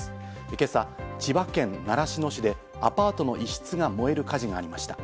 今朝、千葉県習志野市でアパートの一室が燃える火事がありました。